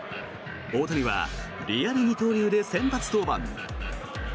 大谷はリアル二刀流で先発登板。